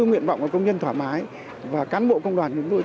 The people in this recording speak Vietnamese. nguyện vọng của công nhân thoải mái và cán bộ công đoàn của chúng tôi